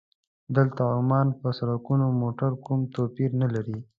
دلته د عمان پر سړکونو موټر کوم توپیر نه لري.